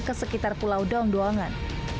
ke sekitar pulau daun doangan